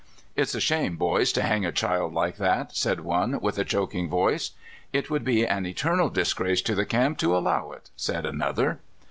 '* It's a shame, boys, to hang a child like that," said one, with a choking voice. It would be an eternal disgrace to the camp to allow it," said another.